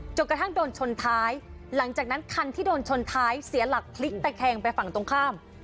จนกระทั่งโดนชนท้ายหลังจากนั้นคันที่โดนชนท้ายเสียหลักพลิกตะแคงไปฝั่งตรงข้าม